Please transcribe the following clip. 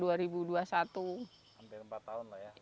hampir empat tahun lah ya